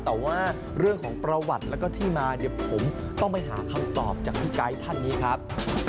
แต่ว่าเรื่องของประวัติแล้วก็ที่มาเดี๋ยวผมต้องไปหาคำตอบจากพี่ไกด์ท่านนี้ครับ